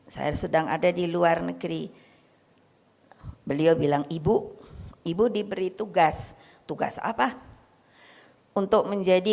saya sedang ada di luar negeri beliau bilang ibu ibu diberi tugas tugas apa untuk menjadi